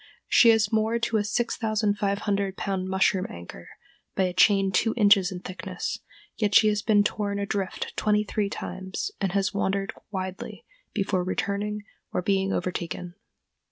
She is moored to a 6500 pound mushroom anchor by a chain two inches in thickness, yet she has been torn adrift twenty three times, and has wandered widely before returning or being overtaken.